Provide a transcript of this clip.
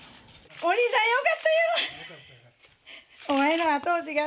お兄さんよかったよ！